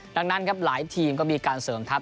ดังนั้นครับหลายทีมก็มีการเสริมทัพ